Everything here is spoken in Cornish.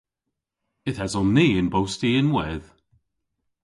Yth eson ni y'n bosti ynwedh.